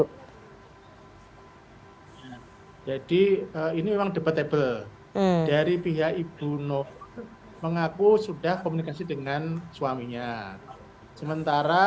hai jadi ini memang debatable dari pihak ibuno mengaku sudah komunikasi dengan suaminya sementara